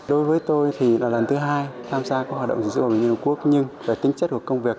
đối với tôi thì là lần thứ hai tham gia các hoạt động diễn dự bởi liên hợp quốc nhưng tính chất của công việc